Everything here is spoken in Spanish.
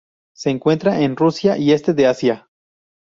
Se encuentra en Rusia y este de Asia.